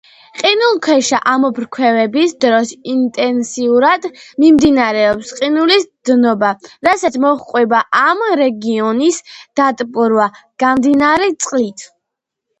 ყინულქვეშა ამოფრქვევების დროს ინტენსიურად მიმდინარეობს ყინულის დნობა, რასაც მოჰყვება ამ რეგიონის დატბორვა გამდნარი წყლით.